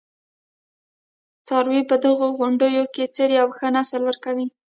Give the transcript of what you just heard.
څاروي په دې غونډیو کې څري او ښه نسل ورکوي.